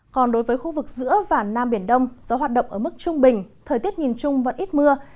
còn đối với khu vực giữa và nam biển đông gió hoạt động ở mức trung bình thời tiết nhìn chung vẫn ít mưa